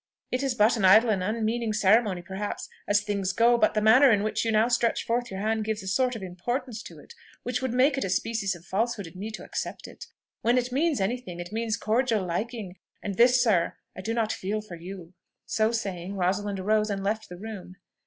It is but an idle and unmeaning ceremony perhaps, as things go; but the manner in which you now stretch forth your hand gives a sort of importance to it which would make it a species of falsehood in me to accept it. When it means any thing, it means cordial liking; and this, sir, I do not feel for you." So saying, Rosalind arose and left the room.